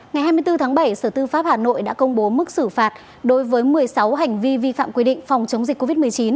ngày hai mươi bốn tháng bảy sở tư pháp hà nội đã công bố mức xử phạt đối với một mươi sáu hành vi vi phạm quy định phòng chống dịch covid một mươi chín